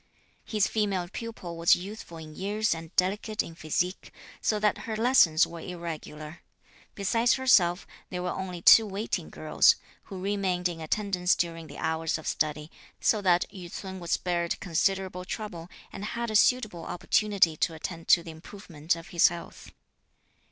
His female pupil was youthful in years and delicate in physique, so that her lessons were irregular. Besides herself, there were only two waiting girls, who remained in attendance during the hours of study, so that Yü ts'un was spared considerable trouble and had a suitable opportunity to attend to the improvement of his health.